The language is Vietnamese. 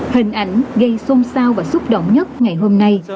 hình ảnh gây xôn xao và xúc động nhất ngày hôm nay